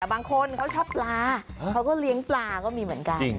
บางคนเขาชอบปลาเขาก็เลี้ยงปลาก็มีเหมือนกัน